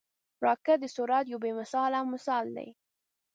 راکټ د سرعت یو بې مثاله مثال دی